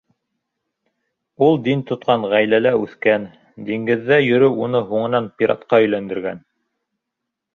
Ул дин тотҡан ғаиләлә үҫкән, диңгеҙҙә йөрөү уны һуңынан пиратҡа өйләндергән.